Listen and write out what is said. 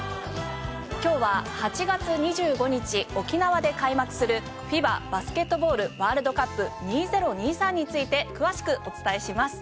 今日は８月２５日沖縄で開幕するＦＩＢＡバスケットボールワールドカップ２０２３について詳しくお伝えします。